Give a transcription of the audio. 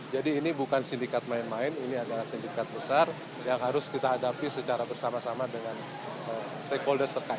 jadi ini bukan sindikat main main ini adalah sindikat besar yang harus kita hadapi secara bersama sama dengan stakeholders terkait